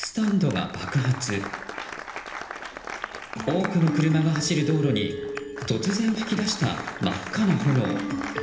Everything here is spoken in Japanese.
多くの車が走る道路に突然、噴き出した真っ赤な炎。